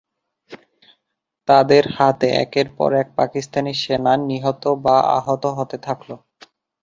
তাদের হাতে একের পর এক পাকিস্তানি সেনা নিহত বা আহত হতে থাকল।